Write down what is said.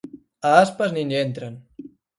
A Aspas nin lle entran.